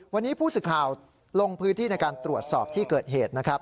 วันนี้ผู้สื่อข่าวลงพื้นที่ในการตรวจสอบที่เกิดเหตุนะครับ